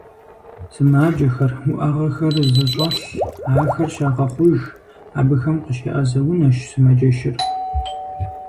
Сымаджэхэр, уӀэгъэхэр зыщӀэлъ, ахэр щагъэхъуж, абыхэм къыщеӀэзэ унэщ сымаджэщыр.